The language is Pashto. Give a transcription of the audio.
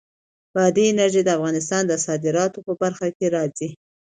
بادي انرژي د افغانستان د صادراتو په برخه کې راځي.